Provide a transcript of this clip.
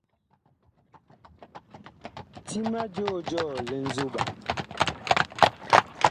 Ti ma joo jɔɔ li nzoɓan.